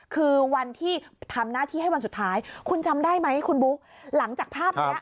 คือวันที่ทำหน้าที่ให้วันสุดท้ายคุณจำได้ไหมคุณบุ๊คหลังจากภาพนี้